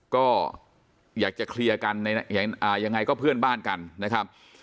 ก็อยากจะเคลียร์กันยังไงก็เพื่อนบ้านกันนะครับ